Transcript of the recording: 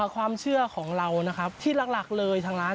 ความเชื่อของเรานะครับที่หลักเลยทางร้าน